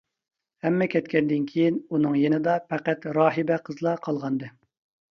ھەممە كەتكەندىن كېيىن ئۇنىڭ يېنىدا پەقەت راھىبە قىزلا قالغانىدى.